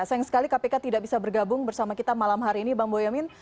sayang sekali kpk tidak bisa bergabung bersama kita malam hari ini bang boyamin